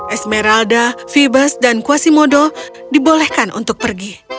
esmeralda phibas dan quasimodo dibolehkan untuk pergi